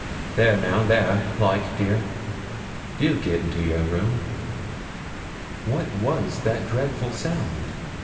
There now, there, like a dear, do get into your room.' What was that dreadful sound?